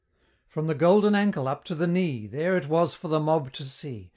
From the Golden Ankle up to the Knee There it was for the mob to see!